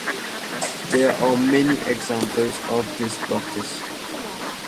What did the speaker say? There are many examples of this practice.